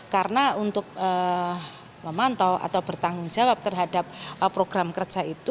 karena untuk memantau atau bertanggung jawab terhadap program kerja itu